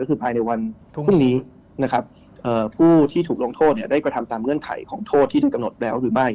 ก็คือภายในวันพรุ่งนี้ผู้ที่ถูกลงโทษได้กระทำตามเงื่อนไขของโทษที่ท่านกำหนดแล้วหรือไม่